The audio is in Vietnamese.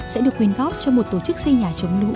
sẽ được quyên góp cho một tổ chức xây nhà chống lũ